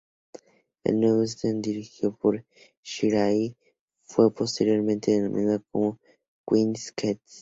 El nuevo stable dirigido por Shirai fue posteriormente denominado "Queen's Quest".